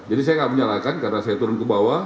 jadi saya gak menyalahkan karena saya turun ke bawah